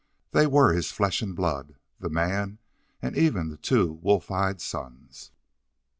They were his flesh and blood, the man, and even the two wolf eyed sons.